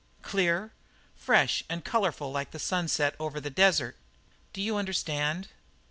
"Clear? Fresh and colourful like the sunset over the desert. Do you understand?"